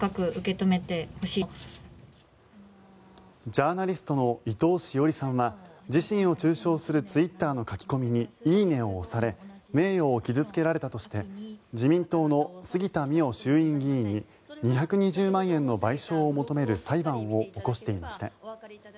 ジャーナリストの伊藤詩織さんは自身を中傷するツイッターの書き込みに「いいね」を押され名誉を傷付けられたとして自民党の杉田水脈衆院議員に２２０万円の賠償を求める裁判を起こしていました。